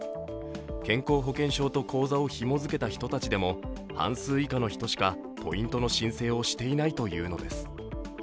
健康保険証と口座をひも付けた人たちでも半数以下の人しかポイントの申請をしていないというのです。